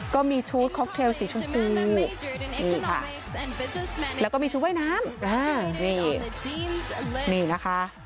ก็มีชุดค็อกเทลสีชมพูนี่ค่ะแล้วก็มีชุดว่ายน้ำนี่นี่นะคะ